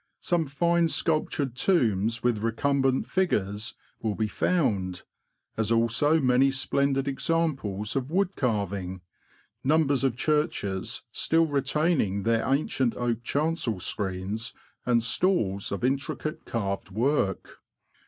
Some fine sculptured tombs with recumbent figures will be found, as also many splendid examples of wood carving, numbers of churches still retaining their ancient oak chancel screens and stalls of intricate carved work.